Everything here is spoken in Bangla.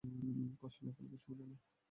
কষ্ট না করলে কেষ্ট মেলে না।